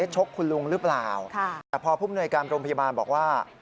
ชกคุณลุงหรือเปล่าแต่พอผู้มนวยการโรงพยาบาลบอกว่า